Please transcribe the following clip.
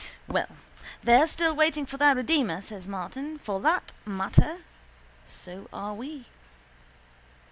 —Well, they're still waiting for their redeemer, says Martin. For that matter so are we.